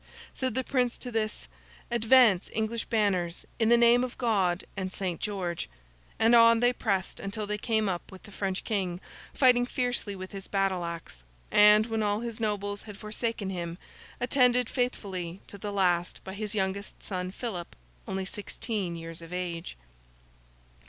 Said the Prince to this, 'Advance, English banners, in the name of God and St. George!' and on they pressed until they came up with the French King, fighting fiercely with his battle axe, and, when all his nobles had forsaken him, attended faithfully to the last by his youngest son Philip, only sixteen years of age.